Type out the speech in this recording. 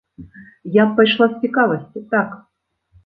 Я б пайшла з цікавасці, так.